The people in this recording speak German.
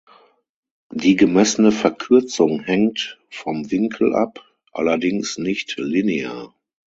Die gemessene Verkürzung hängt vom Winkel ab, allerdings nicht linear.